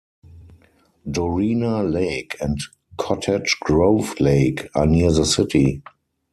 Dorena Lake and Cottage Grove Lake are near the city.